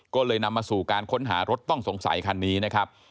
ก็เลยนำมาสู่การค้นหารถต้องสงสัยคันนี้นะครับ